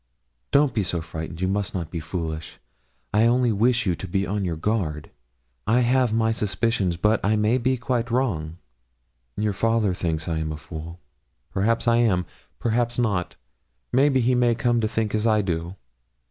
'Don't be so frightened; you must not be foolish; I only wish you to be upon your guard. I have my suspicions, but I may be quite wrong; your father thinks I am a fool; perhaps I am perhaps not; maybe he may come to think as I do.